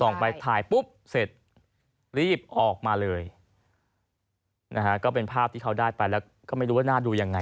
ไปถ่ายปุ๊บเสร็จรีบออกมาเลยนะฮะก็เป็นภาพที่เขาได้ไปแล้วก็ไม่รู้ว่าหน้าดูยังไง